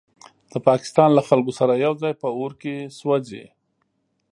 د پاکستان له خلکو سره یوځای په اور کې سوځي.